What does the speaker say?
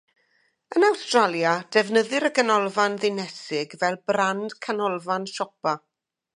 Yn Awstralia, defnyddir y Ganolfan Ddinesig fel brand Canolfan Siopa.